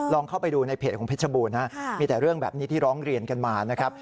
เข้าไปดูในเพจของเพชรบูรณนะมีแต่เรื่องแบบนี้ที่ร้องเรียนกันมานะครับ